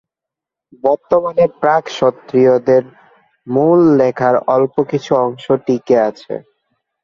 বর্তমানে প্রাক-সক্রেতীয়দের মূল লেখার অল্প কিছু অংশ টিকে আছে।